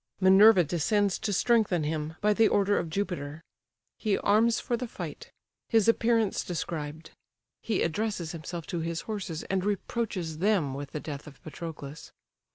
Minerva descends to strengthen him, by the order of Jupiter. He arms for the fight: his appearance described. He addresses himself to his horses, and reproaches them with the death of Patroclus.